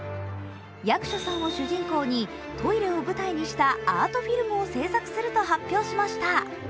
役所さんを主人公にトイレを舞台にしたアートフィルムを制作すると発表しました。